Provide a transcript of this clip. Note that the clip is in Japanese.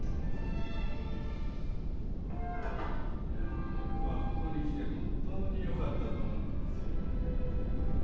いや僕はここに来て本当によかったと思ってますよ。